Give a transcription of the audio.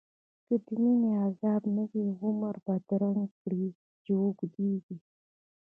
که د مینی عذاب نه وی، عمر بد کړی چی اوږدیږی